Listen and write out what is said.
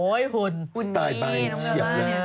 โอ้โฮหุ่นหุ่นนี่น้องกล้าบ้านสไตล์ใบเฉียบเลย